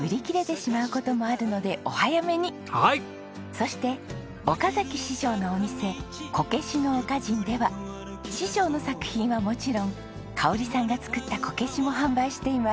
そして岡崎師匠のお店こけしの岡仁では師匠の作品はもちろん香さんが作ったこけしも販売しています。